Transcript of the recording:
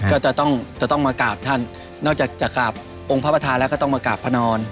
ก็จะต้องจะต้องมากราบท่านนอกจากจะกราบองค์พระประธานแล้วก็ต้องมากราบพระนอน